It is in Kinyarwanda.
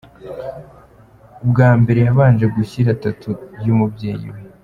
Ubwa mbere yabanje gushyira tattoo y’umubyeyi we.